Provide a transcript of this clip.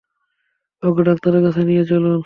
ওকে ডাক্তারের কাছে নিয়ে চলুন!